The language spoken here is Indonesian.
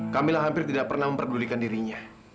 kamila hampir tidak pernah memperdulikan dirinya